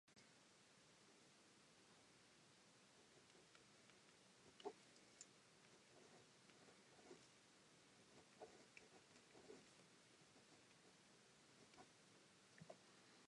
Maritime Electric supplies electricity to customers in Prince Edward Island.